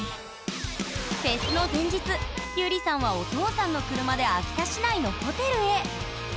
フェスの前日ゆりさんはお父さんの車で秋田市内のホテルへ。